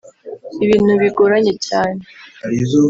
ibintu bigoranye cyane